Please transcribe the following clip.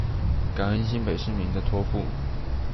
感恩新北市民的付託